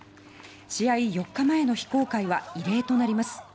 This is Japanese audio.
試合４日前の非公開は異例となります。